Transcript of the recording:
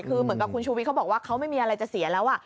คือเหมือนกับคุณชูวิทย์เขาบอกว่าเขาไม่มีอะไรจะเสียแล้ว